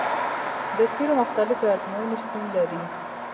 د قیرو مختلفې ازموینې شتون لري